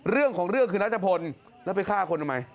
เรื่องของเรื่องคือนัชพลแล้วไปฆ่าคนทำไม